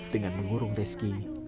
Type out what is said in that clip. dengan mengurung reski